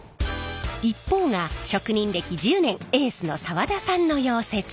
一方が職人歴１０年エースの澤田さんの溶接。